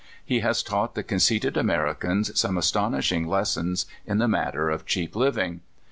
He has taught the conceited Americans some astonishing lessons in the matter of cheap living.